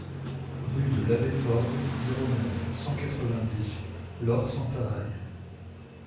Rue de l'Abbé Forgues, zéro neuf, cent quatre-vingt-dix Lorp-Sentaraille